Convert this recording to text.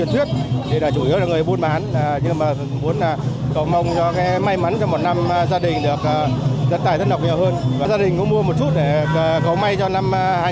theo truyền thuyết thì chủ yếu là người buôn bán